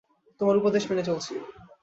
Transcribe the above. তোমার উপদেশ মেনে চলছি।